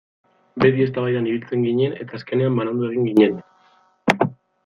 Beti eztabaidan ibiltzen ginen eta azkenean banandu egin ginen.